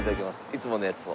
いつものやつを。